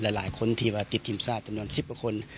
หลายคนที่ติดทีมทราบจำนวน๑๐กว่าคน